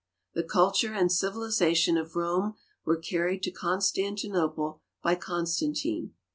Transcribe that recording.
The culture and civilization of Rome were carried to Constantinople by Constantine.